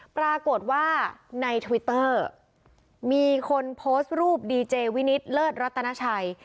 ปรากฏว่าในทวิตเตอร์มีคนโพสต์รูปดีเจวินิตเลิศรัตนาชัย